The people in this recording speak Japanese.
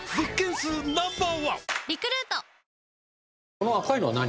この赤いのは何？